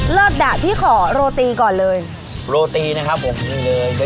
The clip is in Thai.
ดะพี่ขอโรตีก่อนเลยโรตีนะครับผมนี่เลย